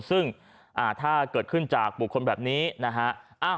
ซึ่งถ้าเกิดขึ้นจากบุคคลแบบนี้นะฮะ